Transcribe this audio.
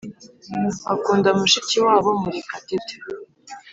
bakunda mushiki wabo murekatete.